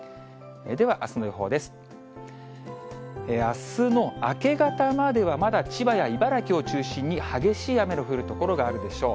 あすの明け方までは、まだ千葉や茨城を中心に、激しい雨の降る所があるでしょう。